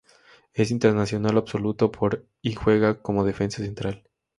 Es internacional absoluto por y juega como defensa central.